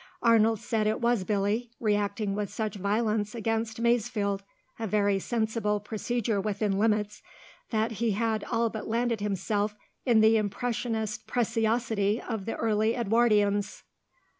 Arnold said it was Billy reacting with such violence against Masefield a very sensible procedure within limits that he had all but landed himself in the impressionist preciosity of the early Edwardians.